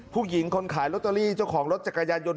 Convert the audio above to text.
ผู้หญิงคนขายลอตเตอรี่เจ้าของรถจักรยานยนต